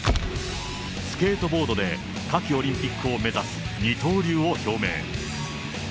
スケートボードで夏季オリンピックを目指す二刀流を表明。